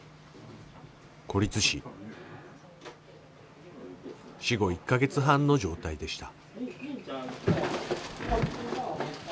孤立死、死後１か月半の状態でした。